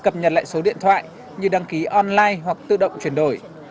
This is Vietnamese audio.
cập nhật lại số điện thoại như đăng ký online hoặc tự động chuyển đổi